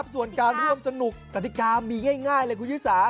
ส่วนการร่วมสนุกกฎิกามีง่ายเลยคุณชิสา